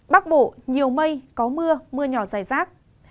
bắc bộ nhiều mây có mưa mưa nhỏ dài rác